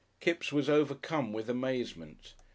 Kipps was overcome with amazement.